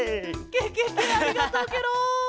ケケケありがとうケロ！